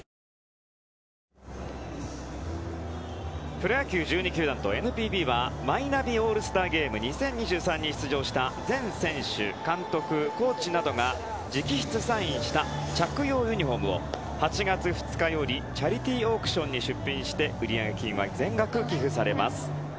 プロ野球１２球団とＮＰＢはマイナビオールスターゲーム２０２３に出場した全選手、監督、コーチなどが直筆サインした着用ユニフォームを８月２日よりチャリティーオークションに出品して売上金は、全額寄付されます。